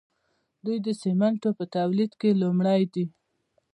دوی د سیمنټو په تولید کې لومړی دي.